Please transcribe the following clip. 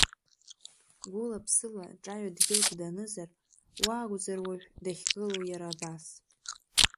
Гәыла-ԥсыла ҿаҩа дгьылк данызар, уа акәзар уажә дахьгылоу иара абас?